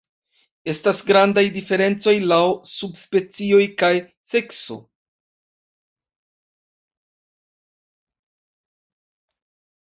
Estas grandaj diferencoj laŭ subspecioj kaj sekso.